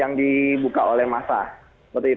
yang dibuka oleh massa